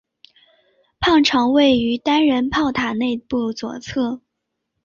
炮长位于单人炮塔内部左侧。